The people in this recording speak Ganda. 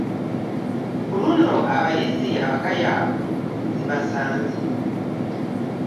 Ku luno abayizi abagayavu zibasanze.